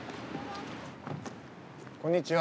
こんにちは。